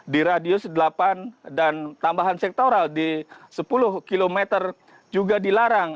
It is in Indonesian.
di radius delapan dan tambahan sektoral di sepuluh km juga dilarang